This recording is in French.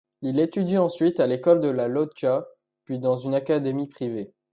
Il étudie ensuite à l'école de la Llotja puis dans une académie privée.